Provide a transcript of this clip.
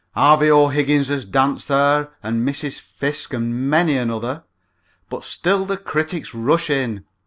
Harvey O'Higgins has danced there and Mrs. Fiske and many another, but still the critics rush in.